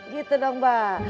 gitu dong mbak